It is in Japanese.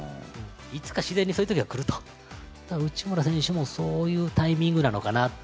いつか自然にそういうときが来ると、だから内村選手もそういうタイミングなのかなって。